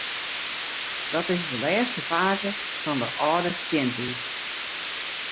Dat is de lêste faze fan de âlde stientiid.